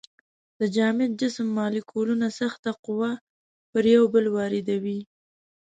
د جامد جسم مالیکولونه سخته قوه پر یو بل واردوي.